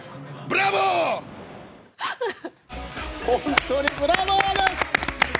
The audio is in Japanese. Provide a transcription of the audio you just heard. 本当にブラボーです！